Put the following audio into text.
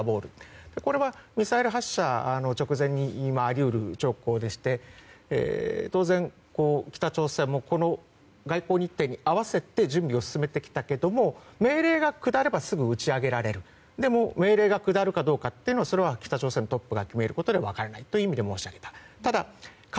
これがミサイル発射の直前の兆候でして当然、北朝鮮もこの外交日程に合わせて準備をしてきたけれども命令が下れば打ち上げるでも、命令が下るかどうかというのは、北朝鮮のトップが決めることで分からないと申し上げた。